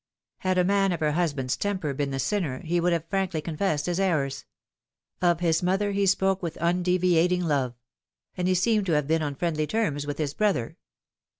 Had a man of her husband's temper been the sinner he would have frankly confessed his errors. Of his mother he spoke with un deviating love ; and he seemed to have been on friendly terms with his brother.